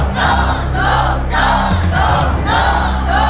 สู้ค่ะ